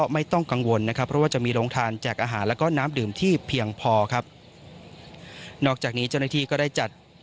ไม่ต้องกังวลนะครับเพราะว่าจะมีโรงทานแจกอาหารแล้วก็น้ำดื่มที่เพียงพอครับนอกจากนี้เจ้าหน้าที่ก็ได้จัด